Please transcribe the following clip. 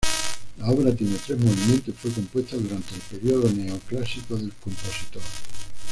La obra tiene tres movimientos y fue compuesta durante el periodo neoclásico del compositor.